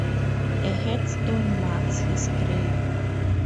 A headstone marks his grave.